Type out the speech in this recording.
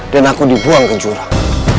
dan aku dibuang ke jurang